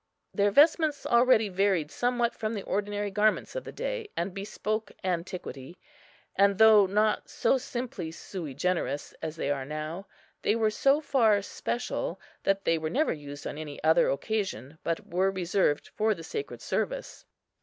Their vestments already varied somewhat from the ordinary garments of the day, and bespoke antiquity; and, though not so simply sui generis as they are now, they were so far special, that they were never used on any other occasion, but were reserved for the sacred service.